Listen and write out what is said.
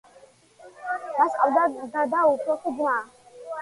მას ჰყავდა და და უფროსი ძმა.